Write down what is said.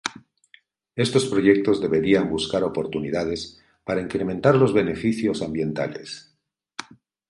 Estos proyectos deberían buscar oportunidades para incrementar los beneficios ambientales.